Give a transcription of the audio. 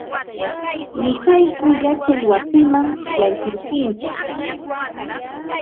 Nuqayku yachay wasiman yaykurquntsik.